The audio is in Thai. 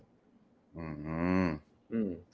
หือหือ